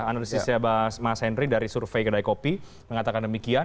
analisisnya mas henry dari survei kedai kopi mengatakan demikian